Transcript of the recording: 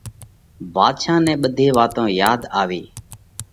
ڀاڌشا نئہ ٻڌي واتون ياڌ آوي